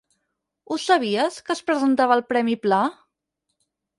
Ho sabies, que es presentava al premi Pla?